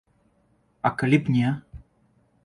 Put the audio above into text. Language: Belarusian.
А калі б не.